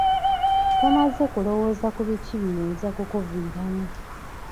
Tomaze kulowooza ku biki biyinza kukuviiramu.